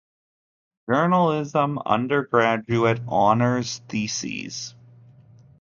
Journalism Undergraduate Honors Theses.